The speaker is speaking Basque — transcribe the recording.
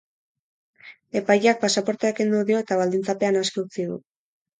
Epaileak pasaportea kendu dio eta baldintzapean aske utzi du.